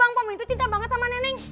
bang pak arwin tuh cinta banget sama neneng